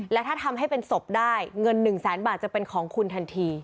และถ้าทำให้เป็นศพได้เงิน๑แสนบาทจะเป็นของคุณทันที